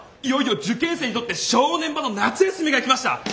いよいよ受験生にとって正念場の夏休みが来ました。